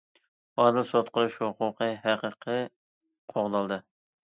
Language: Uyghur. ئادىل سوت قىلىش ھوقۇقى ھەقىقىي قوغدالدى.